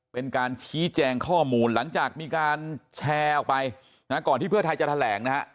เป็นการชี้แจงข้อมูลหลังจากมีการแชร์ออกไปนะก่อนที่เพื่อไทยจะแถลงนะฮะ